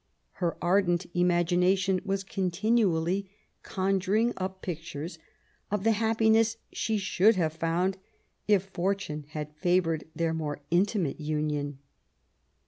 Her ardent imagination was con tinually conjuring up pictures of the happiness she should have found if fortune had favoured their more intimate nnion.